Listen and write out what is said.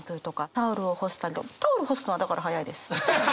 タオルを干すのはだから速いです。